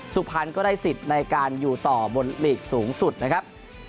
สุพรรณก็ได้สิทธิ์ในการอยู่ต่อบนหลีกสูงสุดนะครับ